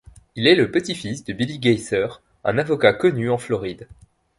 Il est le petit-fils de Billy Gaither, un avocat connu en Floride.